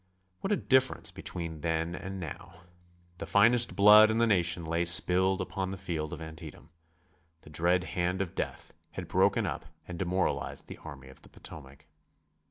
What a difference between then and now. The finest blood in the nation lay spilled upon the field of Antietam; the dread hand of death had broken up and demoralized the Army of the Potomac.